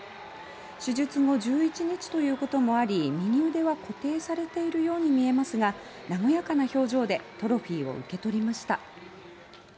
手術後１１日ということもあり右腕は固定されているように見えますが和やかな表情でトロフィーを受け取りました。